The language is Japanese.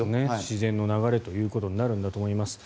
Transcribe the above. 自然の流れということになるんだと思います。